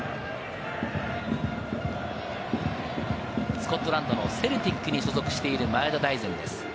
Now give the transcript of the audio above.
スコットランドのセルティックに所属している前田大然です。